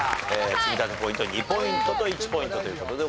積み立てポイント２ポイントと１ポイントという事でございます。